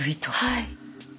はい。